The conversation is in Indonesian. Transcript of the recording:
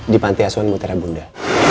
di panti asuhan mutiara bunda